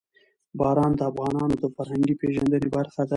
باران د افغانانو د فرهنګي پیژندنې برخه ده.